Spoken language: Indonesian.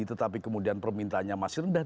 tetapi kemudian permintaannya masih rendah